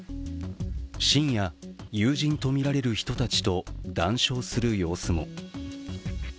深夜、友人とみられる人たちと談笑する様子も。